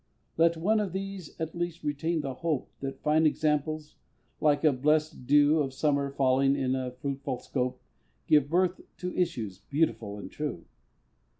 Let one of these at least retain the hope That fine examples, like a blessed dew Of summer falling in a fruitful scope, Give birth to issues beautiful and true.